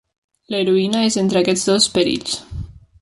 L'heroïna és entre aquests dos perills.